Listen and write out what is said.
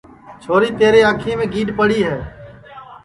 چھوری تیرے انکھیم گیڈؔ پڑی ہے